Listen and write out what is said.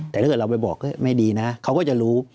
แต่ถ้าเกิดเราไปบอกไม่ดีนะเขาก็จะรู้